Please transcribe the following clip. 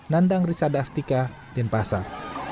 nandang risada astika denpasar